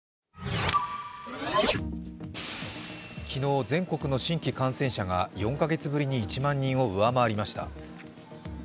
昨日全国の来新規感染者が４カ月ぶりに１万人を上回りました。